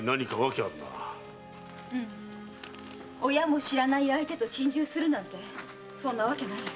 うん親も知らない相手と心中するなんてそんなわけないわ。